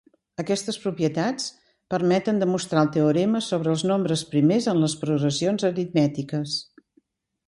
Aquestes propietats permeten demostrar el teorema sobre els nombres primers en les progressions aritmètiques.